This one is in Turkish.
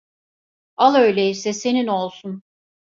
Al öyleyse senin olsun.